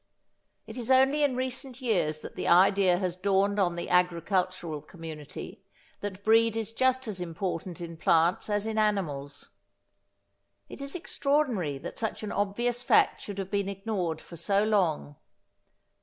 It is only in recent years that the idea has dawned on the agricultural community that breed is just as important in plants as in animals. It is extraordinary that such an obvious fact should have been ignored for so long.